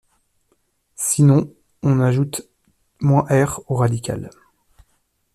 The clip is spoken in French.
Sinon, on ajoute -r au radical.